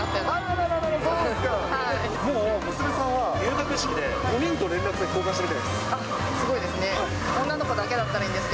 もう娘さんは入学式で５人と連絡先交換したみたいです。